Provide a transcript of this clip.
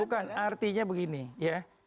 bukan artinya begini ya